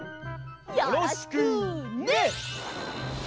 よろしくね！